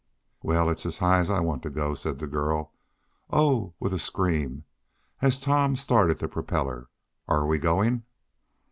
"Well, it's as high as I want to go," said the girl. "Oh!" with a scream, as Tom started the propeller. "Are we going?"